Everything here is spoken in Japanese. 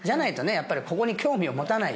やっぱりここに興味を持たない